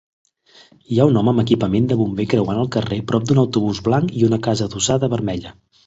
Hi ha un home amb equipament de bomber creuant el carrer prop d'un autobús blanc i una casa adossada vermella.